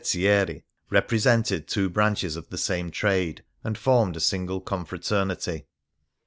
Varia spezieri^ represented two branches of the same trade, and formed a single confraternity.